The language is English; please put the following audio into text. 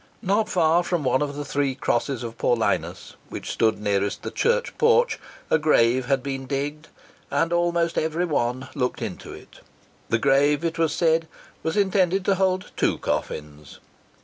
Not far from one of the three crosses of Paulinus, which stood nearest the church porch, a grave had been digged, and almost every one looked into it. The grave, it was said, was intended to hold two coffins.